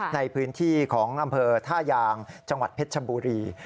ในพื้นที่ของอำเภอท่ายางจังหวัดเพชรชบุรี